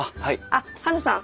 あっハルさん